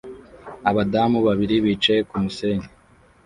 Abadamu babiri bicaye kumusenyi